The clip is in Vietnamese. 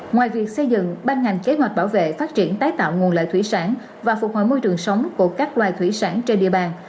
ngoài việc xây dựng ban ngành kế hoạch bảo vệ phát triển tái tạo nguồn lợi thủy sản và phục hồi môi trường sống của các loài thủy sản trên địa bàn